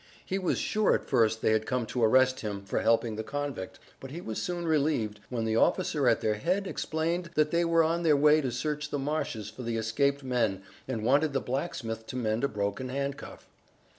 He was sure at first they had come to arrest him for helping the convict, but he was soon relieved, when the officer at their head explained that they were on their way to search the marshes for the escaped men and wanted the blacksmith to mend a broken handcuff.